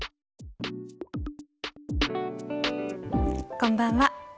こんばんは。